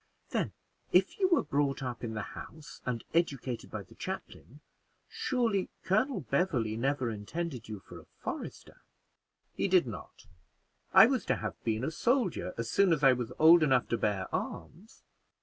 "Then, if you were brought up in the house and educated by the chaplain, surely Colonel Beverley never intended you for a forester?" "He did not; I was to have been a soldier as soon as I was old enough to bear arms."